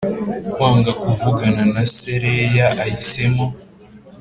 Kwanga kuvugana na se Leah ahisemo